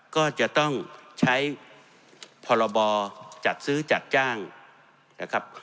ก็จะต้องใช้พรบจัดซื้อจัดจ้างนะครับ